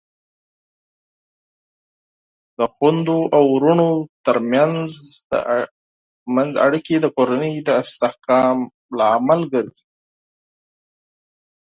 د خویندو او ورونو ترمنځ اړیکې د کورنۍ د استحکام لامل ګرځي.